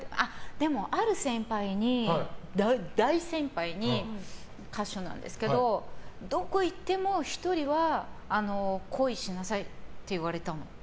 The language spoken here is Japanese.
でも、ある大先輩に歌手なんですけどどこ行っても１人は恋しなさいって言われたの。